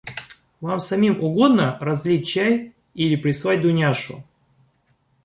Вам самим угодно разлить чай или прислать Дуняшу?